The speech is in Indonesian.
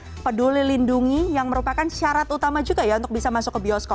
untuk peduli lindungi yang merupakan syarat utama juga ya untuk bisa masuk ke bioskop